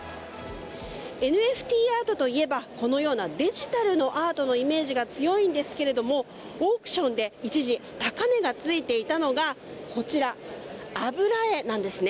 ＮＦＴアートといえばこのようなデジタルのアートのイメージが強いのですがオークションで一時高値がついていたのがこちら油絵なんです。